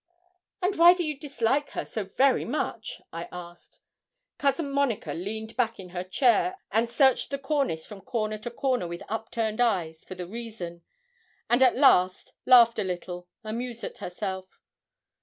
'And why do you dislike her so very much?' I asked. Cousin Monica leaned back in her chair, and searched the cornice from corner to corner with upturned eyes for the reason, and at last laughed a little, amused at herself.